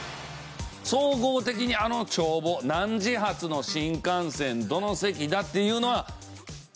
総合的にあの帳簿何時発の新幹線どの席だっていうのは１冊なの。